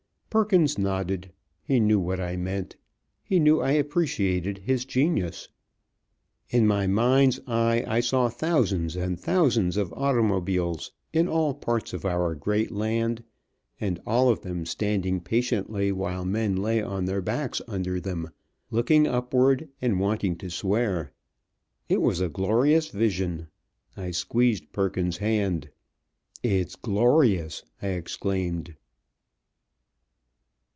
Perkins nodded. He knew what I meant. He knew I appreciated his genius. In my mind's eye I saw thousands and thousands of automobiles, in all parts of our great land, and all of them standing patiently while men lay on their backs under them, looking upward and wanting to swear. It was a glorious vision. I squeezed Perkins's hand. "It's glorious!" I exclaimed.